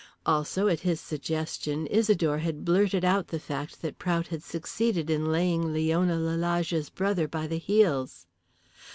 Also, at his suggestion, Isidore had blurted out the fact that Prout had succeeded in laying Leon Lalage's brother by the heels.